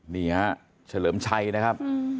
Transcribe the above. นี่ฮะเฉลิมชัยนะครับ